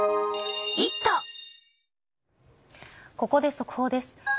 ここで速報です。